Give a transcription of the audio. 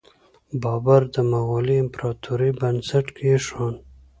بابر د مغولي امپراتورۍ بنسټ کیښود.